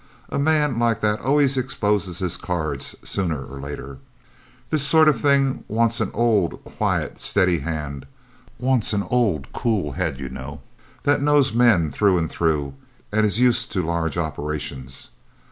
A man like that always exposes his cards, sooner or later. This sort of thing wants an old, quiet, steady hand wants an old cool head, you know, that knows men, through and through, and is used to large operations.